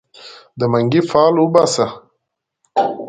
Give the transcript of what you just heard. د منګې فال وباسه